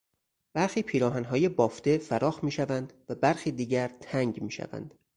برخی پیراهنهای بافته فراخ میشوند و برخی دیگر تنگ میشوند.